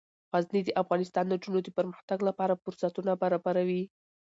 غزني د افغان نجونو د پرمختګ لپاره فرصتونه برابروي.